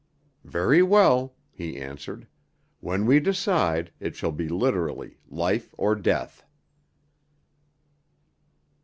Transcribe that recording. "Very well," he answered; "when we decide, it shall be literally life or death."